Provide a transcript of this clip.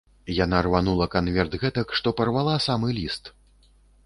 Яна рванула канверт гэтак, што парвала самы ліст.